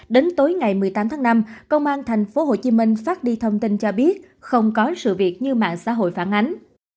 đến tối ngày một mươi tám tháng năm công an tp hcm phát đi thông tin cho biết không có sự việc như mạng xã hội phản ánh